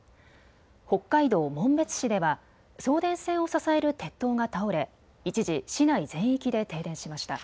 北海道紋別市では送電線を支える鉄塔が倒れ一時、市内全域で停電しました。